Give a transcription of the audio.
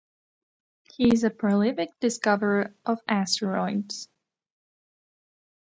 He is a prolific discoverer of asteroids.